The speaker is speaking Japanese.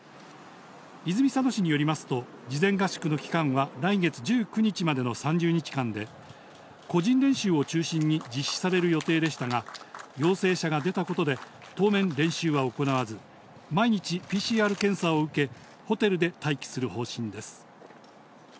泉佐野市によりますと、事前合宿の期間は来月１９日までの３０日間で個人練習を中心に実施される予定でしたが陽性者が出たことで当面の間練習は行わず、毎日ＰＣＲ検査を受けてホテルで待機する方針です。